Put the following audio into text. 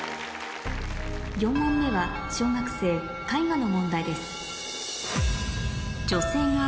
４問目は小学生絵画の問題です